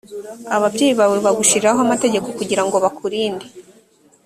ababyeyi bawe bagushyiriraho amategeko ari ukugira ngo bakurinde